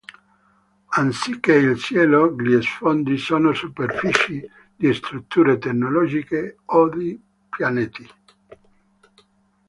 Anziché il cielo, gli sfondi sono superfici di strutture tecnologiche o di pianeti.